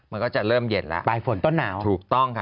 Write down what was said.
มันก็จะเริ่มเย็นแล้วปลายฝนต้นหนาวถูกต้องค่ะ